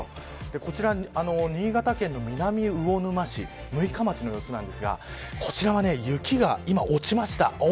こちら新潟県の南魚沼市六日町の様子なんですがこちらは雪が今、落ちました。